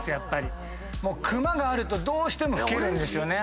クマがあるとどうしても老けるんですよね。